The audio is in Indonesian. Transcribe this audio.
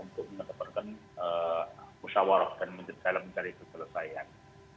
untuk menykeparkan musyawaroh dan mengejar penyelesaian